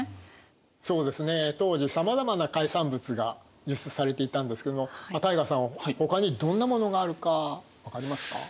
そうですね当時さまざまな海産物が輸出されていたんですけども汰雅さん他にどんなものがあるか分かりますか？